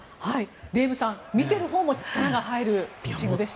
デーブさん、見てるほうも力が入るピッチングでした。